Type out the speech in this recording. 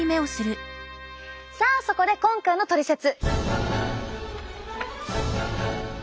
さあそこで今回のトリセツ！